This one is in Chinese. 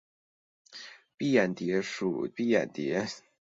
蔽眼蝶属是眼蝶亚科眼蝶族眉眼蝶亚族中的一个属。